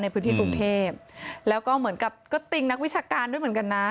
ในพื้นที่กรุงเทพแล้วก็เหมือนกับก็ติงนักวิชาการด้วยเหมือนกันนะ